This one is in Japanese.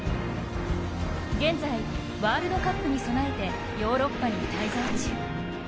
現在、ワールドカップに備えてヨーロッパに滞在中。